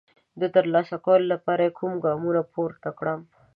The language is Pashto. د ترلاسه کولو لپاره یې کوم ګامونه پورته کړم؟